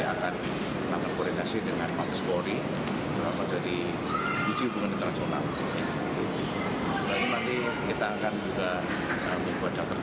kita akan juga membuat jakter kejar yang kurang di bum